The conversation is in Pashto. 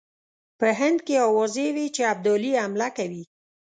په هند کې آوازې وې چې ابدالي حمله کوي.